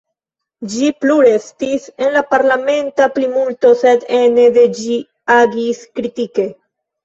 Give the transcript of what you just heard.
Ĝi plu restis en la parlamenta plimulto, sed ene de ĝi agis kritike.